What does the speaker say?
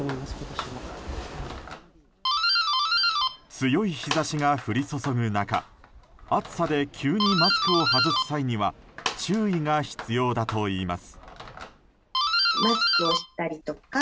強い日差しが降り注ぐ中暑さで急にマスクを外す際には注意が必要だといいます。